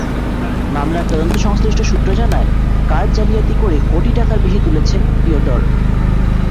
মামলার তদন্তসংশ্লিষ্ট সূত্র জানায়, কার্ড জালিয়াতি করে কোটি টাকার বেশি তুলেছেন পিওটর।